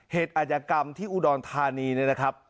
เหตุอาทิกรรมที่อุดรฐานีนี่นะครับ